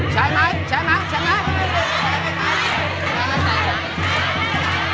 ใช้ไหมใช้ไหมใช้ไหม